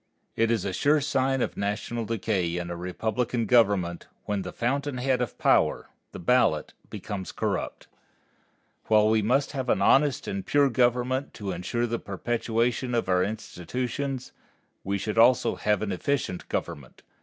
It is a sure sign of national decay in a republican government, when the fountain head of power, the ballot, becomes corrupt. While we must have an honest and pure government to insure the perpetuation of our institutions, we should also have an efficient government.